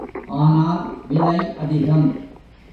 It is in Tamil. ஆனால் விலை அதிகம்.